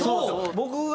「僕が」